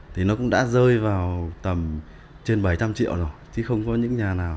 thì nó cũng đã rơi vào tầm trên bảy trăm linh triệu rồi chứ không có những nhà nào